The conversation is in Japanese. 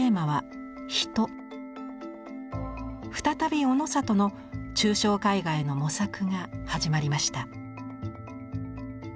再びオノサトの抽象絵画への模索が始まりました。